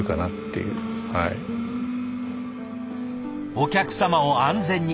お客さまを安全に。